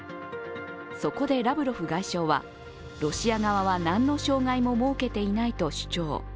そこでラブロフ外相は、ロシア側は何の障害も設けていないと主張。